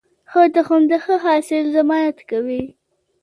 ښه تخم د ښه حاصل ضمانت کوي.